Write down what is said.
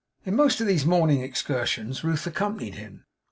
In most of these morning excursions Ruth accompanied him.